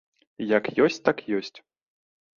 Як ёсць так ёсць.